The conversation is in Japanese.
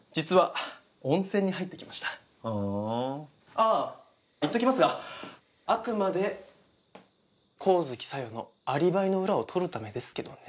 あぁ言っときますがあくまで神月沙代のアリバイのウラを取るためですけどね。